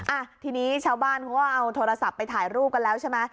อ่ะทีนี้ชาวบ้านเขาก็เอาโทรศัพท์ไปถ่ายรูปกันแล้วใช่ไหม